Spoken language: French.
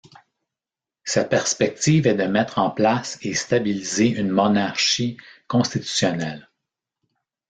Sa perspective est de mettre en place et stabiliser une monarchie constitutionnelle.